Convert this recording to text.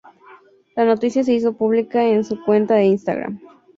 La noticia se hizo pública en su cuenta de Instagram.